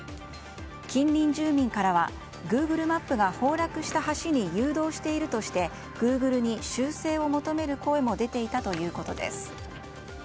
近隣住民からはグーグルマップが崩落した橋に誘導しているとしてグーグルに修正を求める声も出ていたということです。